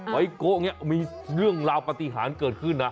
แล้วโก๊บมีเรื่องราวปฏิหารเกิดขึ้นอ่ะ